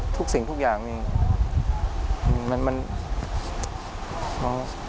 ทุกสิ่งทุกอย่างมันดีมากครับ